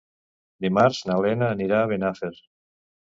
Dimarts na Lena anirà a Benafer.